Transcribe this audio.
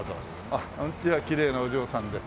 あっきれいなお嬢さんで。